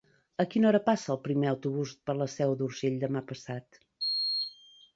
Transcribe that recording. A quina hora passa el primer autobús per la Seu d'Urgell demà passat?